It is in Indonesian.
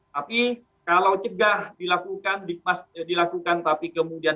tapi kalau cegah dilakukan dikemas dilakukan tapi kemudian